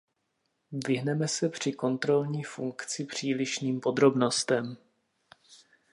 Vyhneme se při kontrolní funkci přílišným podrobnostem.